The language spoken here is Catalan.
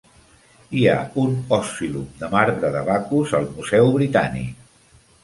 Hi ha un "oscillum" de marbre de Bacus al Museu Britànic.